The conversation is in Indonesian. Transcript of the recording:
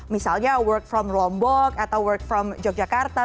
misalnya work from lombok atau work from jogja kampung